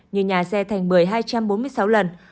như nhà xe thành một nghìn hai trăm bốn mươi sáu lần